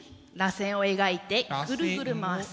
螺旋を描いてぐるぐる回す。